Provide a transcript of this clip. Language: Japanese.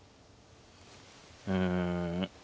うん。